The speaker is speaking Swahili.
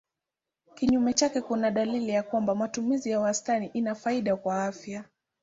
Kinyume chake kuna dalili ya kwamba matumizi ya wastani ina faida kwa afya.